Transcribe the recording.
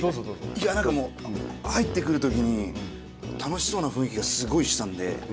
いや何かもう入ってくる時に楽しそうな雰囲気がすごいしたんで。